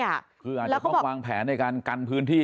อาจจะต้องวางแผนอะไรการกันพื้นที่